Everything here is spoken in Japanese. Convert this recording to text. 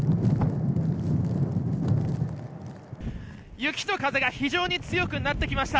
雪と風が非常に強くなってきました。